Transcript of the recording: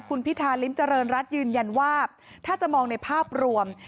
คุณพิธาริมเจริญรัฐยืนยันว่าถ้าจะมองในภาพรวม